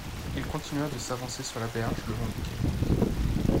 Il continua de s’avancer sur la berge le long du quai.